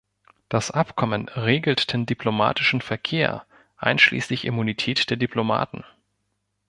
Das Abkommen regelt den diplomatischen Verkehr einschließlich Immunität der Diplomaten.